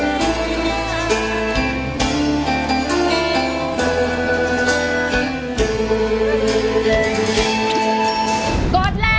อาจจะอาศัยความได้เปรียบนะครับ